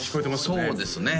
そうですね